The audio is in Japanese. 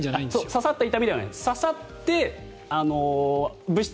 刺さった痛みではないんです。